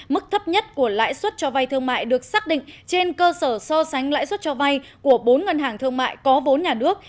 mức thấp nhất của lãi suất cho vay thương mại được xác định trên cơ sở so sánh lãi suất cho vay của bốn ngân hàng thương mại có vốn nhà nước